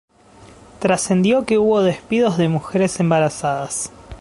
Trascendió que hubo despidos de mujeres embarazadas.